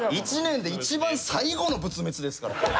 １年で一番最後の仏滅ですから。